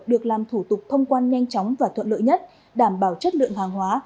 được làm thủ tục thông quan nhanh chóng và thuận lợi nhất đảm bảo chất lượng hàng hóa